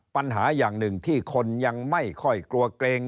ปัญหาอย่างหนึ่งที่คนยังไม่ค่อยกลัวเกรง